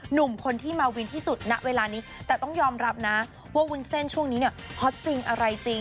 หนุ่มคนที่มาวินที่สุดณเวลานี้แต่ต้องยอมรับนะว่าวุ้นเส้นช่วงนี้เนี่ยฮอตจริงอะไรจริง